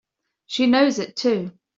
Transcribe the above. She knows it too!